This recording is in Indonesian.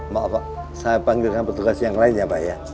maaf pak saya panggil kamu tugas yang lain ya pak ya